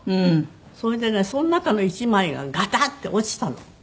それでねその中の１枚がガタッて落ちたの。